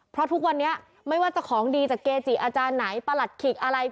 เพราะทุกวันนี้ไม่ว่าจะของดีจากเกจิอาจารย์ไหนประหลัดขิกอะไร